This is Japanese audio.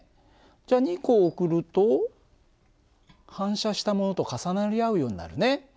じゃあ２個送ると反射したものと重なり合うようになるね。